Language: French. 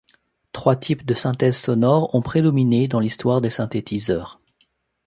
Trois types de synthèse sonore ont prédominé dans l'histoire des synthétiseurs.